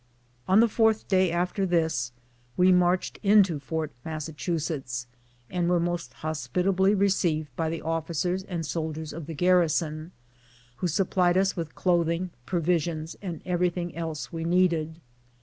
On the fourth day after this we marched into Fort Mas sachusetts, and were most hospitably received by the offi cers and soldiers of the garrison, who supplied us with clothing, provisions, and every thing else we needed.